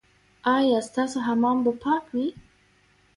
ایا ستاسو حمام به پاک وي؟